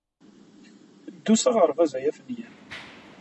Ddu s aɣerbaz a afenyan!